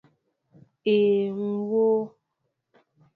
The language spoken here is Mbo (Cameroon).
Ee, ŋ wóó.